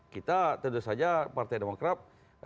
kita tentu saja partai demokrat